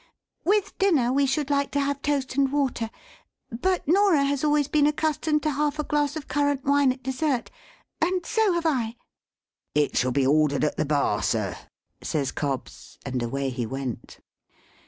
With dinner we should like to have toast and water. But Norah has always been accustomed to half a glass of currant wine at dessert. And so have I." "It shall be ordered at the bar, sir," says Cobbs; and away he went.